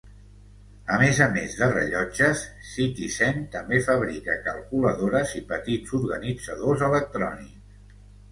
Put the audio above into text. A més a més de rellotges, Citizen també fabrica calculadores i petits organitzadors electrònics.